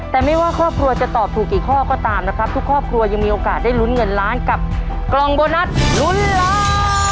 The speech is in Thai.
แต่ไม่ว่าครอบครัวจะตอบถูกกี่ข้อก็ตามนะครับทุกครอบครัวยังมีโอกาสได้ลุ้นเงินล้านกับกล่องโบนัสลุ้นล้าน